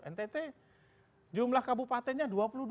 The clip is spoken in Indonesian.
ntt jumlah kabupatennya dua puluh dua